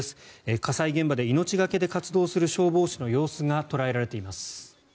火災現場で命懸けで活動する消防士の様子が捉えられています。